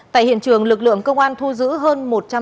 tại hiện trường lực lượng công an thu giữ hơn một trăm bốn mươi